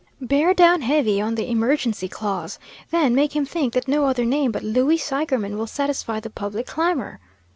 Bear down heavy on the emergency clause. Then make him think that no other name but Louie Seigerman will satisfy the public clamor.